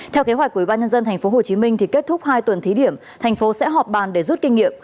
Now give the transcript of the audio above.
theo kế hoạch của ubnd tp hcm kết thúc hai tuần thí điểm thành phố sẽ họp bàn để rút kinh nghiệm